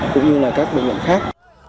cũng như là các bệnh viện khác